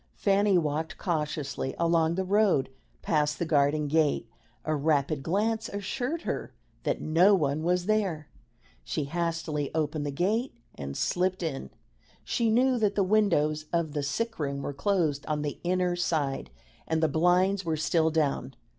Fanny walked cautiously along the road past the garden gate; a rapid glance assured her that no one was there; she hastily opened the gate and slipped in. She knew that the windows of the sick room were closed on the inner side, and the blinds were still down.